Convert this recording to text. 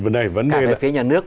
cả về phía nhà nước